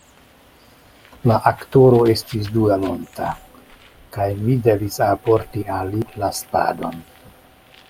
La aktoro estis duelonta, kaj mi devis alporti al li la spadon.